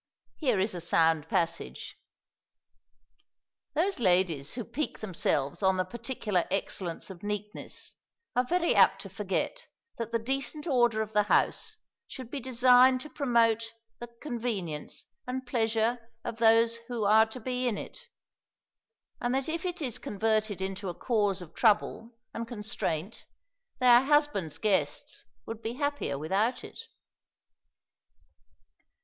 Here is a sound passage: "Those ladies who pique themselves on the particular excellence of neatness are very apt to forget that the decent order of the house should be designed to promote the convenience and pleasure of those who are to be in it; and that if it is converted into a cause of trouble and constraint, their husbands' guests would be happier without it."